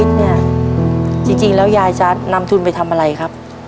ทับผลไม้เยอะเห็นยายบ่นบอกว่าเป็นยังไงครับ